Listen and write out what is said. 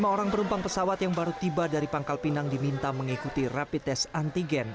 lima orang penumpang pesawat yang baru tiba dari pangkal pinang diminta mengikuti rapid test antigen